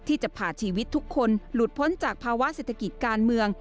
ที่จะผ่าชีวิตทุกคนหลุดพ้นจากภาวะเศรษฐกิจการเมือง